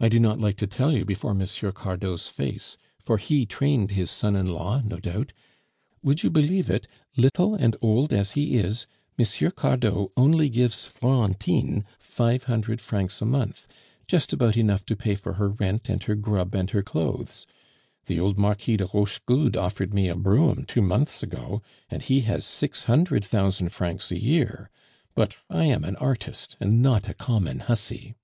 "I do not like to tell you before M. Cardot's face; for he trained his son in law, no doubt. Would you believe it, little and old as he is, M. Cardot only gives Florine five hundred francs a month, just about enough to pay for her rent and her grub and her clothes. The old Marquis de Rochegude offered me a brougham two months ago, and he has six hundred thousand francs a year, but I am an artist and not a common hussy."